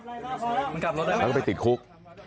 เราก็ไปติดคุก